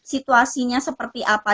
situasinya seperti apa